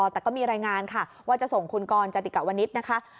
แต่ก็มีรายงานค่ะว่าจะส่งคุณกรจติกะวนิษฐ์นะคะ